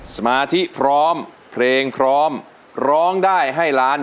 สมาธิพร้อมเพลงพร้อมร้องได้ให้ล้าน